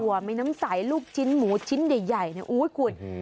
มีน้ำใสลูกชิ้นหมูชิ้นใหญ่เนี่ยอุ๊ยคุณ